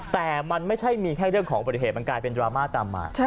แต่มันไม่ใช่มีแค่เรื่องของอุบัติเหตุมันกลายเป็นดราม่าตามมา